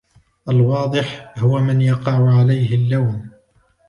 الواضح ، هو من يقع عليه اللوم.